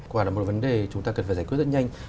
quả là một vấn đề chúng ta cần phải giải quyết rất nhanh